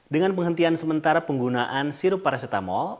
dengan penghentian sementara penggunaan sirup paracetamol